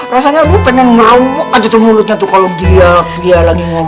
rasanya gue pengen ngamuk aja tuh mulutnya tuh kalau dia lagi ngomong